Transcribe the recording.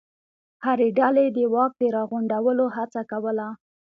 هرې ډلې د واک د راغونډولو هڅه کوله.